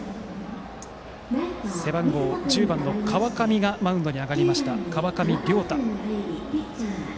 背番号１０番の川上がマウンドに上がりました。